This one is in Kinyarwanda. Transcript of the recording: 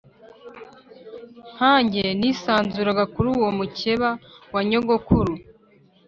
nkange nisanzuraga kuri uwo mukeba wa nyogokuru